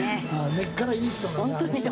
根っからいい人なんだあの人は。